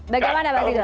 bagaimana pak tidur